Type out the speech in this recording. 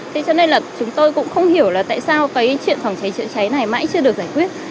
thế cho nên là chúng tôi cũng không hiểu là tại sao cái chuyện phóng trái chữa trái này mãi chưa được giải quyết